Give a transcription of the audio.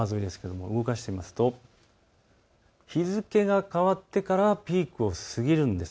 動かしてみますと日付が変わってからピークを過ぎるんです。